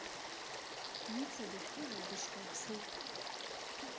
Ница дахьгылаз дышьхынԥсылт.